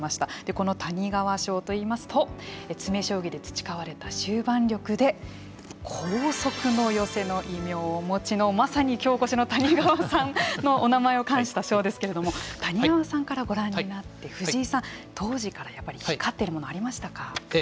この谷川賞といいますと詰め将棋で培われた終盤力で光速の寄せの異名をお持ちのまさに今日お越しの谷川さんのお名前を冠した賞ですけれども谷川さんからご覧になって藤井さん当時から、やっぱり光っているものはありましたか。